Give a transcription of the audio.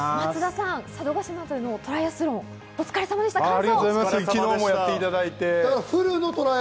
そして松田さん、佐渡島でのトライアスロン、お疲れさまでした、完走。